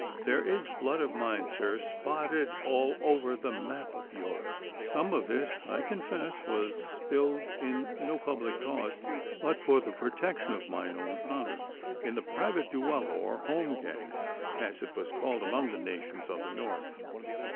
There is blood of mine, sir, Spotted all over the map of Europe. Some of it, I confess, was spilled in no public cause, but for the protection of mine own honour in the private duello or holmgang, as it was called among the nations of the north.